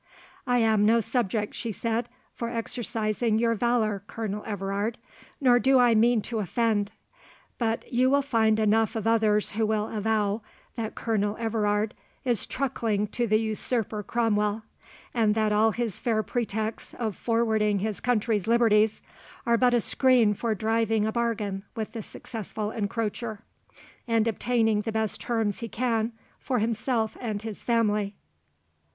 "I am no subject," she said, "for exercising your valour, Colonel Everard, nor do I mean to offend. But you will find enough of others who will avow, that Colonel Everard is truckling to the usurper Cromwell, and that all his fair pretexts of forwarding his country's liberties, are but a screen for driving a bargain with the successful encroacher, and obtaining the best terms he can for himself and his family."